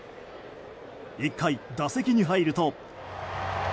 １回、打席に入ると。